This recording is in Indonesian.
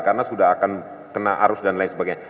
karena sudah akan kena arus dan lain sebagainya